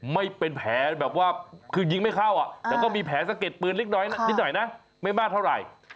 ไม่เป็นแผลแบบว่าคือยิงไม่เข้าแต่ก็มีแผลสะเก็ดปืนเล็กน้อยนิดหน่อยนะไม่มากเท่าไหร่